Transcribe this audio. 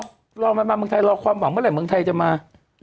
ไม่เคยรอมามือมึงไทยรอความหวังเมื่อไหร่มือมึงไทยจะมา